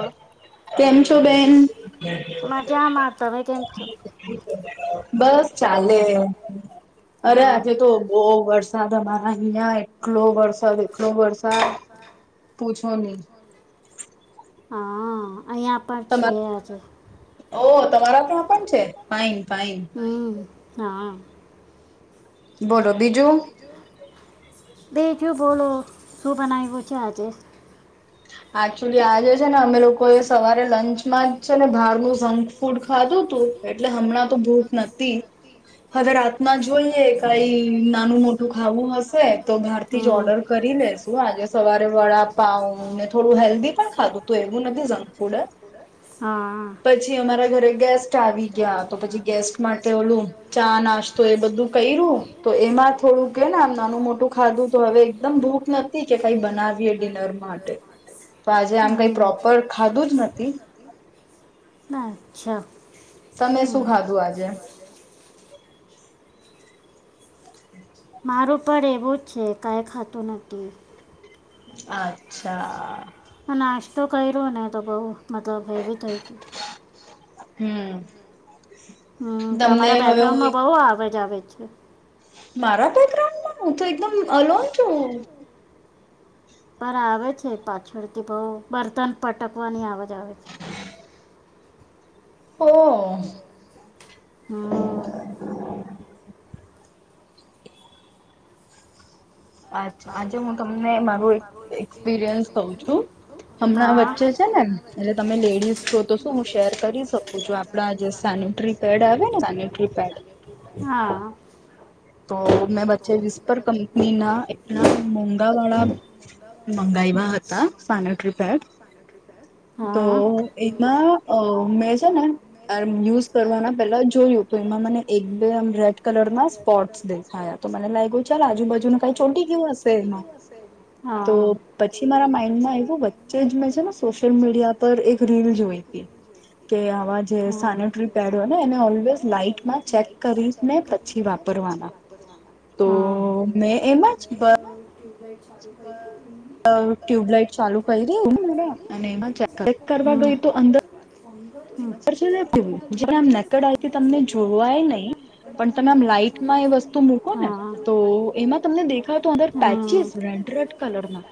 [inaudible] કેમ છો બેન [inaudible] બસ ચાલે. અરે આજે તો બહુ વરસાદ અમારા અહિયાં એટલો વરસાદ એટલો વરસાદ પૂછો નહી. હા અયા પર છે જ. તમારા ત્યા પણ છે ફાઈન ફાઈન. બોલો બીજું. બીજુ બોલો. શું બનાવ્યું છે આજે? એચુલી આજે છે ને અમે લોકો એ સવારે લંચમાં જ છે ને બહારનું ઝંક ફૂડ ખા ધુતુ એટલે હમણાં તો ભૂખ નતી. હવે રાતમાં જોઈએ કઈ નાનું-મોટું ખાવું હશે તો ઘર થી જ ઓર્ડર કરી લેશુ. આજે સવારે વડા પાઉ ને થોડું હેલ્ધી પણ ખાધું તુ એવું નથી જંક ફૂડ. પછી અમારા ઘરે ગેસ્ટ આવી ગયા તો પછી ગેસ્ટ માટે ઓલું ચા-ના આજ તો એ બધું કર્યું તો એમાં થોડું કેન આમ નાનું-મોટું ખાધ તો હવે એકદમ ભૂખ નથી કે કઈ બનાવીએ ડિનરમાં. તો આજે આમ કઈ પ્રોપર ખાધું જ નથી. અચ્છા. તમે શું ખાધું આજે? મારું પણ એવું જ છે કાઈ ખાતું નથી. અચ્છા. તો કર્યું ને તો બઉ મતલબ એવી થઈતી. હમ. હમ, તમારા બેકગાઉન્ડમાં બઉ આવજ આવે છે. મારા બેકગ્રાઉન્ડમાં મુ તો એકદમ અલોન છું. પર આવે છે, પાછળ થી બઉ બર્તન પટકવાની આવાજ આવે છે. હમ. હમ. હા. [unintelligible] એટલે તમે લેડીઝ છો, તો શું હું શેર કરી શકું છું, આપડા જે સેનેટરી પેડ આવે ને અને પ્રીપેડ. તો મે વચ્ચે વિસ્પર કંપની ના ના મોંઘાવાળા મંગાઈવા હતા. સેનેટરી પેડ [inaudible] તો એમાં અ મે છે ને આ યુઝ કરવાના પેલા જોયું તુ એમાં મને એક-બે એમ રેડ કલરના સ્પોટસ દેખાયા તો મને લાગ્યું, ચલ આજુ-બાજુ ને કઈ ચોટી ગ્યું હશે એમાં. તો પછી મારા માઈન્ડમાં એવુ વચ્ચે જ મે છે ને સોશિયલ મી મીડિયા પર એક રીલ જોઈ તી. કે આવા જે સેનેટરી પેડ હોય ને એને ઓલવેઝ લાાઈટમાં ચેક કરીને પછી વાપ કરવાના. તો મે એમ જ બ ટ્યુબલાઇટ ચાલુ કઈરીને અ ટ્યુબલાઈટ ચાલુ કઈરી [unintelligible] અને એમાં ચેક ચેક કરવા ગઈ તો અંદર [unintelligible] જેને આમ નેકડથી તમને જોવાય નઈ પણ તમે આમ લાઈટમાં માં એ વસ્તુ મુકો ને, તો એમાં તમને દેખાય [unintelligible] તો અંદર પેચિસ રેડ રેડ કલરના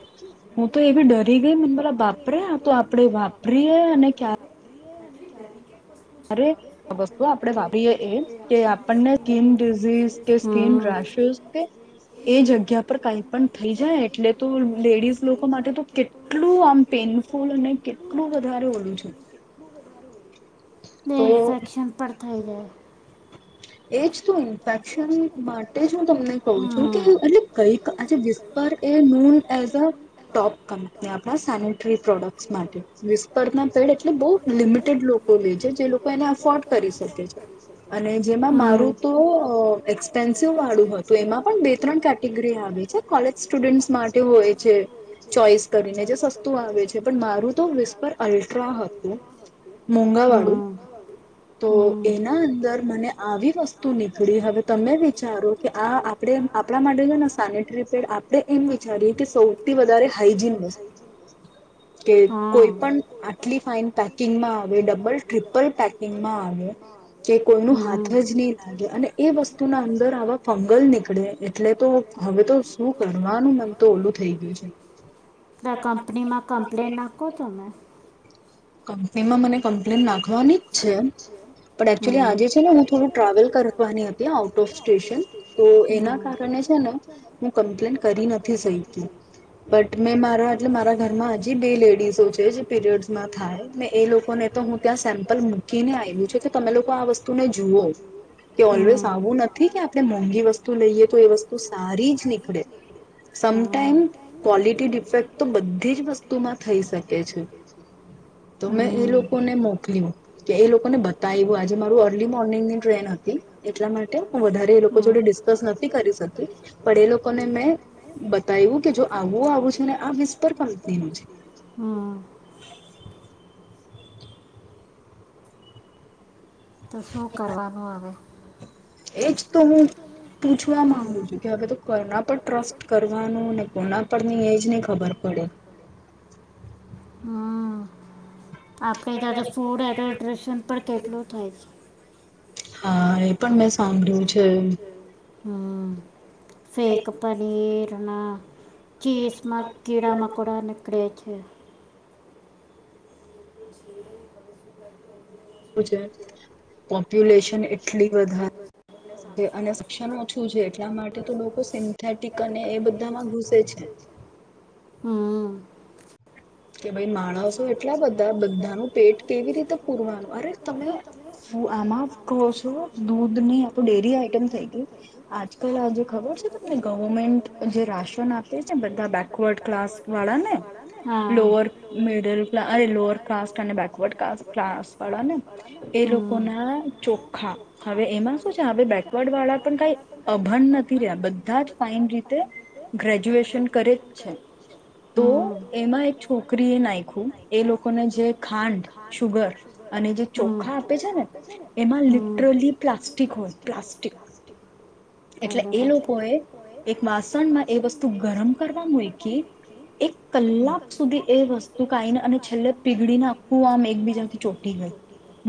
હું તો એવી ડરી ગઈ, મેને બોલા બાપરે આ તો આપડે વાપરીએ અને ક્યા [inaudible] અરે, વસ્તુ આપડે વાપરીએ એ કે આપડને સ્કીન ડિઝઝ કે સ્કીન રેસીસ કે એ જગ્યા પર કઈ પણ થઈ જાય, એટલે તો લેડીઝ લોકો માટે તો કેટલું આમ પેન ફૂલ અને કેટલું વધારે ઓલુ છે. ને ઈન્ફેક્શન પર થઈ જાય. એજ તો, ઈન્ફેક્શન માટે જ હું તમને કઉ છું કે એટલે કઈક અચ્છા, વિસપર એ moon as a top company આપના સેનેટરી પ્રોડક્ટસ માટે. વિસપરના પેડ એટલે બઉ લિમિટેડ લોકો લે છે, જે લોકો એને એફોર્ડ કરી શકે કે છે. અને જેમાં મારું તો અ એક્સપેન્સિવ વાળુ હતું, એમાં પણ બે તણ કેટેગરી આવે છે કોલેજ સ્ટુડન્ટ માટે હોય છે ચોઈસ કરીને જે સસ્તું આવે હમ્મ. તો એના અંદર મને આ વી વસ્તુ નીકળી હવે તમે વિચારો કે આ આપણે આ આપણા માટે છે ને સાનેટરી પેડ આપણે એમ વિચારીએ કે સૌથી વધારે હાઈજીન વસ્તુ કે કોઈ પણ આટલી ફાઈન પેકિંગમાં આવે, ડબલ ટ્રિપલ પેકિંગમાં આવે કે કોઈ નું હાથ જ ની, લાગે અને એ વસ્તુના અંદર આવા ફંગલ નીકળે એટલે તો હવે તો શું કરવાનું મન તો ઓલું થઈ ગ્યું છે. કંપની માં કમ્પ્લેન નાકો તમે. કંપની માં મને કમ્પ્લેન નાખવાની છે પણ એકચુલી આજે છે ને હું થોડું ટ્રાવેલ કરવાની હતી આઉટ ઓફ સ્ટેશન, તો તો એના કારણે છે ને હું કમ્પ્લેન કરી નથી સઈકી બટ મેં મારા એટલે મારા ઘરમાં હજી બે લેડીસો છે જે પીરિયડસમાં થાય, ને એ લોકોને તો હું ત્યાં સેમ્પલ મુ ખી ને આઇવુ છે કે તમે લોકો આ વસ્તુને જુઓ, કે ઓલવેઝ આવું નથી કે આપણે મોંઘી વસ્ તું લઈએ તો એ વસ્તુ સારી જ નીકળે, સમટાઈમ ક્વોલિટી ડિફેક્ટ તો બ ધી જ વસ્તુમાં થઈ શકે છે. તો મેં એ લોકોને મોકલ્યું. કે એ લોકોને બતાઇવુ આજે મારું અર્લી મોર્નિંગની ટ્રેન હતી એટલા માટે હું વધારે એ લોકો જોડે ડિસકસ નથી કરી શકી પણ એ લોકોને મેં બતાઇવુ કે જો આવું આવું છે ને આ વી સ્પર કંપની નું છે. તો શું કરવાનું અવે? એજ તો હું પૂછવા માંગુ છું કે હવે તો કોયના પર ટ્રસ્ટ કરવાનું ને કોના પર ની એજ નહી ખબર પડે. હમ્મ્મ. આપડે તા તો ફૂડ એડલ્ટ્રેશન પર કેટલું હા એ પણ મેં સાંભળ્યું છે. હમ્મ, ફેક પનીર ના ચીસમાં કીડા મકોડા નીકળે છે. છે, પોપ્યુલેશન એટલી વધા અને શિક્ષણ ઓછું છે એટલા માટે તો લોકો સિન્થેટિક અને એ બધામાં ઘૂસે છે. હમ્મ. કે ભાઈ માણસ તો એટલા બધા બધાનું પેટ કેવી રીતે પૂરવાનું, અરે તમે શું આમાં [unintelligible] જો દૂધ ની આતો ડેરી આઈટમ થઈ ગઈ, આજકાલ આજે ખબર છે તમને ગવર્મેન્ટ જે રાશન આપે છેને બધા બેકવર્ડ ક્લાસ વાળા ને લોઅર મિડલ ક્લા અરે લોઅર કાસ્ટ અને બેકવર્ડ કાસ્ટ ક્લાસ વાળા ને, એ લોકો ના ચોખા હવે એમાં શું છે હવે બેકવર્ડ વાળા પણ કઈ અભણ નથી રહ્યા, બધાજ ફાઈન રીતે ગ્રેજ્યુએશન કરે જ છે. હમ્મ. એમાં એક છોકરી એ નાઇખુ એ લોકોને જે ખાંડ, સુુગર અને જે ચોખા આપે છે, ને એમાં લીટ રલી પ્લાસ્ટીક હોઈ, પ્લાસ્ટીક. એટલે એ લોકોએ, એક વાસણમાં એ વસ્તુ ગરમ કરવા મૂયકી, એક કલાક સુધી એ વસ્તુ કાઇને અને છેલ્લે પીગળીને આખું આમ એકબીજાથી ચોટી ગયું.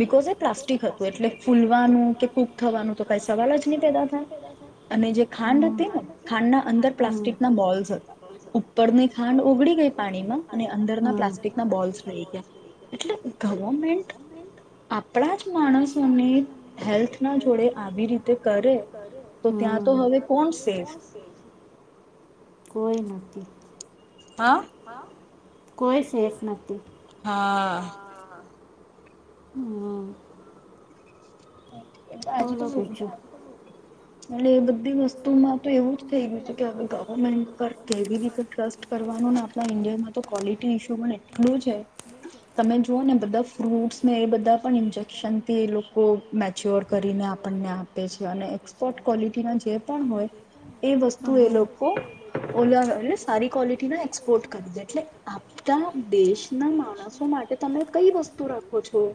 બિકોઝ એ પ્લાસ્ટિક હતું એટલે ફૂલવાનું કે કૂક થવાનું તો કઈ સવાલ જ ની પેદા થાય. અને જે ખાંડ હતી ને, ખાંડના અંદર પ્લાસ્ટિક ના બોલ્સ હતા, ઉપરની ખાંડ ઓગળી [unintelligible] પાણીમાં અને અંદરના પ્લાસ્ટિક ના બોલ્સ રઈ ગ્યા. એટલે ગવર્મેન્ટ આપણા જ માણસોને હેલ્થના જોડે આવી રીતે કરે તો ત્યાં તો હવે કોણ સેફ? કોઈ નથી. કોઈ સેફ નથી હા. હમ. આજે તો મુવી એટલે એ બધી વસ્તુમાં તો એવું જ થઈ ગયું છે, કે હવે ગવર્મેન્ટ પર કેવી રીતે ટ્રસ્ટ કરવાનો ને આપણા ઈન્ડિયા માટો કવોલીટી ઈસયુ પણ એટલુ છે. તમે જોવો ને બધા ફ્રૂટસ ને એ બધા પણ ઇન્જેક્શનથી એ લોકો મેચ્યોર કરીને આપણને આપે છે, અને એક્સપોર્ટ ક્વોલિટી પણ હોય એ વસ્તુ એ લોકો ઓલા એ સારી ક્વોલિટી ના એક્સપોર્ટ કરી દે એટલે આપણા દેશના માણસોમાં હા કે તમે કઈ વસ્તુ રાખો છો,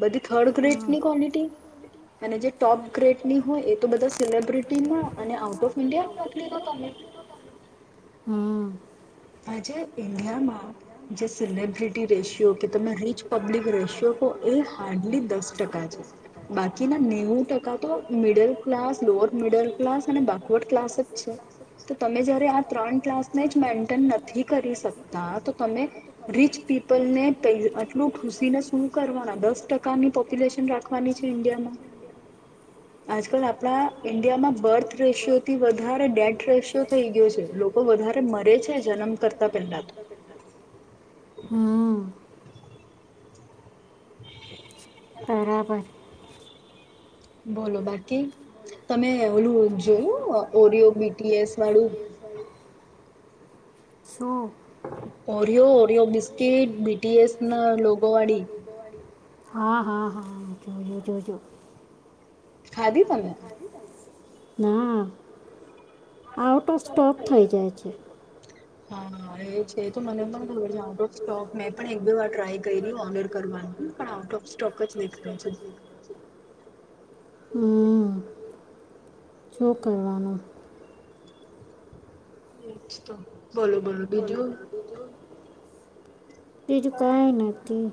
બધી થર્ડ ગ્રેડની ક્વોલિટી અને જે ટોપ ગ્રેડની હોય એ બધા સિલેક્ટ અને આઉટ ઓફ ઇન્ડિયા કટલીના તમે આજે ઈન્ડિયામાં જે સેલેબ્રિટી રેશિયો કે તમે રીચ પબ્લિક રેશિઓ એ હાર્ડલી દસ ટકા છે. બાકીના નેવું ટકા તો middle class lower middle class અને બાકવર્ડ ક્લાસ જ છે. તો તમે જયારે આ ત્રણ ક્લાસ ને જ મેન તને નથી કરી શકતા તો તમે રીચ પીપલને આટલું ખુશીને શું કરવાના દસ ટકાની પોપ્યુલેશન રાખવાની છે, ઇન્ડિયામાં આજકાલ આપણા ઇન્ડિયામાં બર્થ રેશિયોથી વધારે ડેથ રેશિયો થઈ ગયો છે, લોકો વધારે મરે છે. છે જન્મ કરતા પેલા તો, [inaudible] બરાબર. બોલો બાકી તમે ઓલું જોયું ઓરિયો બીટીએસ વાળું ઓરિયો ઓરિયો બિસ્કીટ બીટીએસ ના લોગોવાળી હા, હા, હા જોયું, જોયું ના. આઉટ ઓફ સ્ટોક થઈ જાય છે. હા એ છે, તો મને પણ ખબર છે, આઉટ ઓફ સ્ટોક મેં પણ એક બે વાર ટ્રાય કયરી ઓર્ડર કરવાનું પણ આઉટ ઓફ સ્ટોક જ દેખાય છે. હંમ. શું કરવાનું તો બોલો બોલો બીજું બીજું કંઈ નથી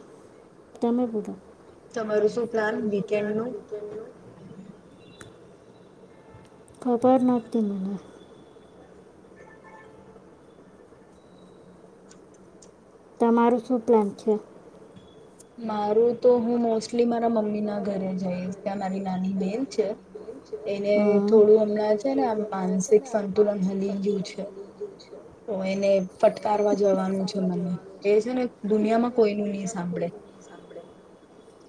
તમે બધા તમારું શું પ્લાન વીકેન્ડનું ખભર નોતી મને તમારું શું પ્લાન છે. મારું તો હું મોસ્ટલી મારા મમ્મી ના ઘરે જઈશ ત્યાં મારી નાની બેન છે. એને થોડું હમણાં છે, ને આમ [inaudible] તો એને ફટકારવા જવાનું છે, મને એ છે, ને દુનિયામાં કોઈનુ ની સાંભળે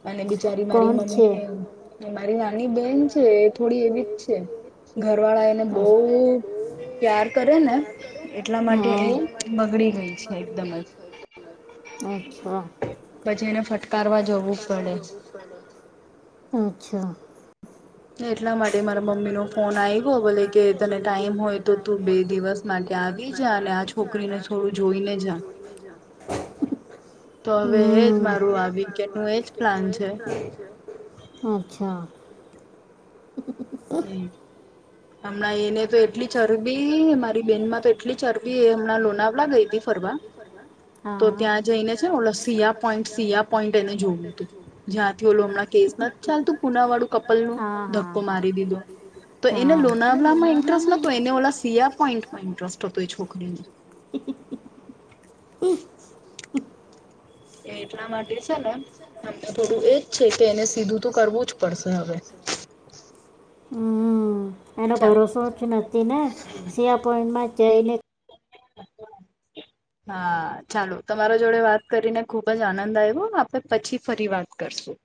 અને બિચારી મારી મમ્મી મારી ના એ બેન છે, એ થોડી એવી જ છે. [inaudible] હા. અચ્છા. [unintelligible] અચ્છા. [inaudible] એટલા માટે મારા મમ્મી નો ફોન આવ્યો ભલે કે તને ટાઈમ હોય તો તું બે દિવસ માટે આ આવી જા અને આ છોકરીને થોડું જોઈને જા. તો હવે એજ મારું આ વિકે નું એજ પ્લાન છે. એ હમણાં એને તો એટલી ચરબી મારી બેન માં તો એટલી ચરબી એ હમણાં લોનાવલા ગઈ તી ફરવા. ત્યાં જઈને ઈજો. લો હમણાં કેસ ચાલુંતું પુના વાળું કપલ નું ધક્કો માર તો એને લોનાવલા ઈનટસ્ટ એ ઓ સી પોઈન્ટમાં ઇન્ટરેસ્ટ હતો, એ છોકરી હ [inaudible] એ એટલા માટે છે, ને આપને થોડું એજ છે, કે એને સીધું તો કરવું જ પડશે હવે. હું એનો ભરોસો જ નથી ને સીયા પોઈન્ટમાં જઈને અ [inaudible] હા ચાલો તમારા જોડે વાત કરીને ખુબ જ આનંદ આવ્યો આપે પછી ફરી વાત કરી. સું